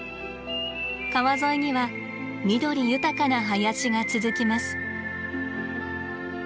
川沿いには緑豊かな林が続きます。